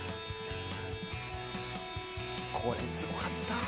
これ、すごかった。